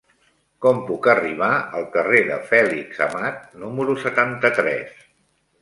Com puc arribar al carrer de Fèlix Amat número setanta-tres?